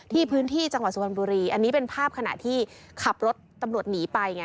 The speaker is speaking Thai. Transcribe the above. พื้นที่จังหวัดสุพรรณบุรีอันนี้เป็นภาพขณะที่ขับรถตำรวจหนีไปไง